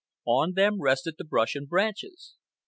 On them rested the brush and branches.